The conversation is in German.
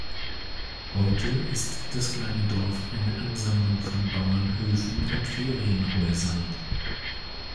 Heute ist das kleine Dorf eine Ansammlung von Bauernhöfen und Ferienhäusern.